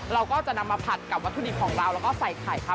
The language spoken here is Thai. เราก็จะนำมาผัดกับวัตถุดิบของเราแล้วก็ใส่ไข่ครับ